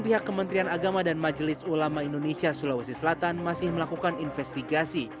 pihak kementerian agama dan majelis ulama indonesia sulawesi selatan masih melakukan investigasi